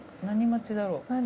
何待ちだろう？